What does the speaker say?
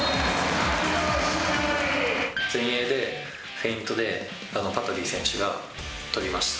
前衛で、フェイントで、パトリ選手が取りました。